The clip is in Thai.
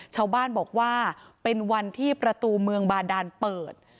ชาวบ้านบอกว่าเป็นวันที่ประตูเมืองบาดานเปิด